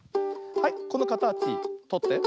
はいこのかたちとって。